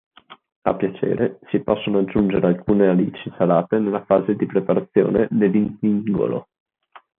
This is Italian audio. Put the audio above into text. A piacere si possono aggiungere alcune alici salate nella fase di preparazione dell'intingolo.